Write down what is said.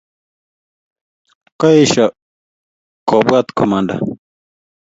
Koesho kobwat komanda